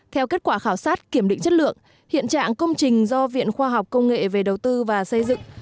theo kết quả khảo sát kiểm định chất lượng hiện trạng công trình do viện khoa học công nghệ về đầu tư và xây dựng